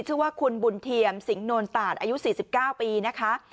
ชื่อว่าคุณบุญเทียมสิงหนวลตาดอายุ๔๙ปีนะคะ